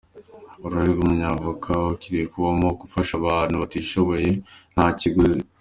Uruhare rw’Umwavoka, hakwiriye kubamo gufasha abantu batishoboye nta kiguzi.